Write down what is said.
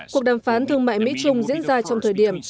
cuộc đàm phán thương mại mỹ trung diễn ra trong thời điểm